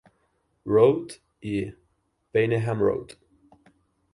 Road i Payneham Road.